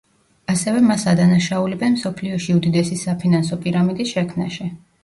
ასევე მას ადანაშაულებენ მსოფლიოში უდიდესი საფინანსო პირამიდის შექმნაში.